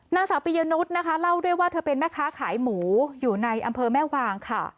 นางสาวปียนุษย์นะคะเล่าด้วยว่าเธอเป็นแม่ค้าขายหมูอยู่ในอำเภอแม่วางค่ะ